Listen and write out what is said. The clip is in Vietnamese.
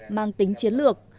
mang tính chiến lược